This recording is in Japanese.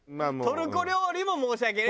トルコ料理申し訳ない。